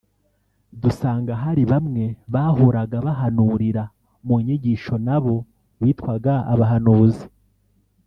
dusanga hari bamwe bahoraga bahanurira mu nyigisho nabo bitwaga abahanuzi